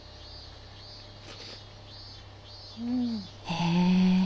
へえ。